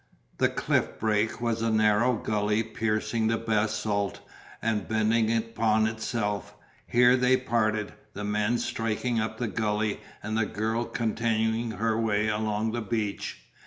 The cliff break was a narrow gully piercing the basalt and bending upon itself; here they parted, the men striking up the gulley and the girl continuing her way along the beach.